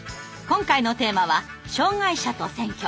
今回のテーマは「障害者と選挙」。